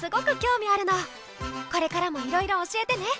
これからもいろいろ教えてね。